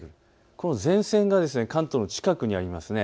この前線が関東の近くにあります。